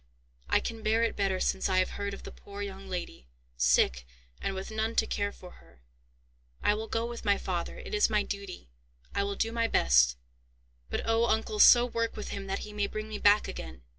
"I can bear it better since I have heard of the poor young lady, sick and with none to care for her. I will go with my father; it is my duty. I will do my best; but oh! uncle, so work with him that he may bring me back again."